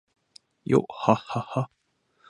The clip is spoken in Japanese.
今年は暑い日が続いています